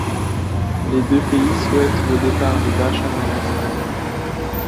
Les deux pays souhaitent le départ de Bachar el-Assad.